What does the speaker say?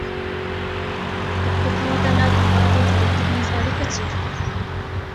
حقوق او عدالت د فرد او ټولني ترمنځ اړیکه څیړې.